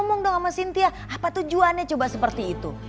ngomong dong sama cynthia apa tujuannya coba seperti itu